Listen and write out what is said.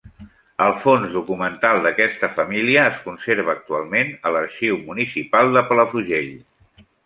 El fons documental d'aquesta família es conserva actualment a l'Arxiu Municipal de Palafrugell.